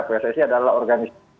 pssi adalah organisasi